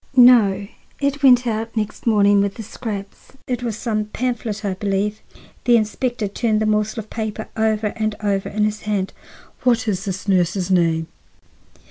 "No, it went out next morning, with the scraps. It was some pamphlet, I believe." The inspector turned the morsel of paper over and over in his hand. "What is this nurse's name?"